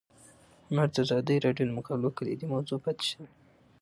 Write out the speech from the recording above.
هنر د ازادي راډیو د مقالو کلیدي موضوع پاتې شوی.